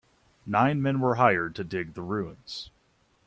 Nine men were hired to dig the ruins.